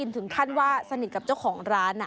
ถึงขั้นว่าสนิทกับเจ้าของร้าน